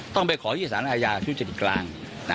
ต้องไปขอที่ศาลอาญาธุรกิจกลาง